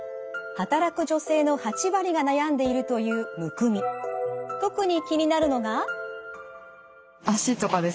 働く女性の８割が悩んでいるという特に気になるのが。